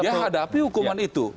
dia hadapi hukuman itu